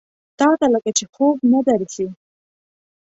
تاته لکه چې خوب نه درځي؟